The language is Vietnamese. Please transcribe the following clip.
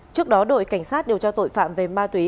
trước đó đội cảnh sát điều tra tội phạm về ma túy